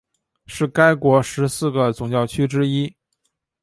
是该国十四个总教区之一。